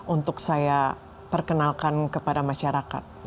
untuk saya perkenalkan kepada masyarakat